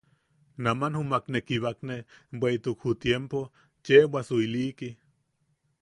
Naman jumak ne kibakne bweʼituk ju tiempo cheʼebwasu iliki.